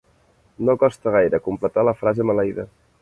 No costa gaire completar la frase maleïda.